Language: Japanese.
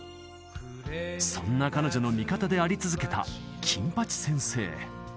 そんな彼女の味方であり続けた金八先生